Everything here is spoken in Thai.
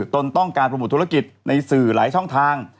ตนต้องการโปรโมทธุรกิจในสื่อหลายช่องทาง